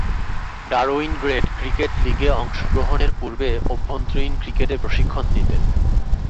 Darwin grade cricket লীগে অংশগ্রহণের পূর্বে অভ্যন্তরীণ ক্রিকেটে প্রশিক্ষণ নিতেন।